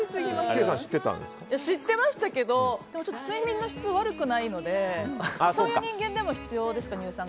知ってましたけど睡眠の質が悪くないけどそういう人も必要ですか？